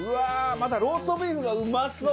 またローストビーフがうまそう！